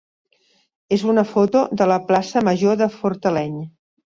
és una foto de la plaça major de Fortaleny.